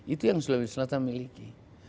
itu yang sulawesi selatan miliki